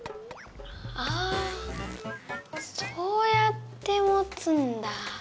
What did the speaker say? ああそうやってもつんだ。